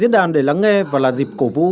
hội nghị là diễn đàn để lắng nghe và là dịp cổ vũ